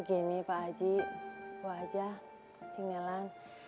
begini pak aji wajah cimilan